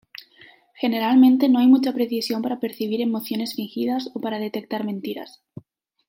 Generalmente no hay mucha precisión para percibir emociones fingidas o para detectar mentiras.